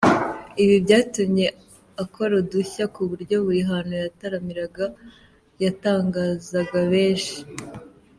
Ibi byatumye akora udushya ku buryo buri hantu yataramiraga yatangazaga benshi.